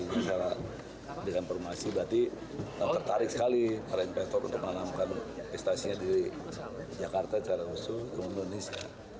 dan secara dengan informasi berarti tertarik sekali para investor untuk menanamkan investasinya di jakarta secara usul ke indonesia